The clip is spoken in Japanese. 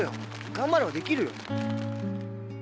頑張ればできるよ